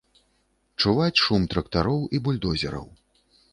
Чуваць шум трактароў і бульдозераў.